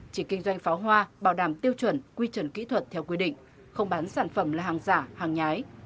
chỉ kinh doanh pháo hoa bảo đảm tiêu chuẩn quy chuẩn kỹ thuật theo quy định không bán sản phẩm là hàng giả hàng nhái